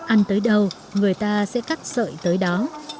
ăn tới đâu người ta sẽ cắt sợi tới đó